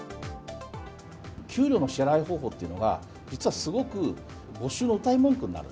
給料の支払い方法っていうのが、実はすごく募集のうたい文句になる。